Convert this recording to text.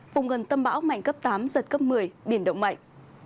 vùng gần tâm bão mạnh cấp tám giật cấp một mươi biển động mạnh